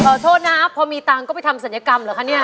ขอโทษนะพอมีตังค์ก็ไปทำศัลยกรรมเหรอคะเนี่ย